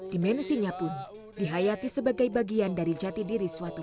dimenesinya pun dihayati sebagai bagian dari jati diri suami